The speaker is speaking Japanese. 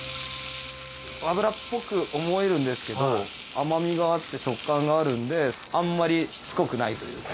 脂っぽく思えるんですけど甘みがあって食感があるんであんまりしつこくないというか。